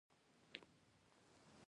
دا د ټولنیز تولید او خصوصي مالکیت تضاد دی